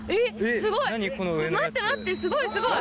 すごい！待って待ってすごいすごい！